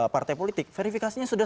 partai politik verifikasinya sudah